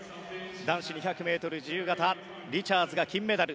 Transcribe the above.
男子２００ｍ自由形リチャーズが金メダル。